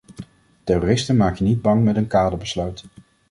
Terroristen maak je niet bang met een kaderbesluit.